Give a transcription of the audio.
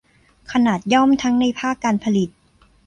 ขนาดย่อมทั้งในภาคการผลิต